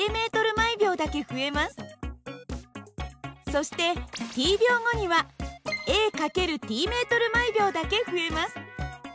そしてｔ秒後にはａ×ｔｍ／ｓだけ増えます。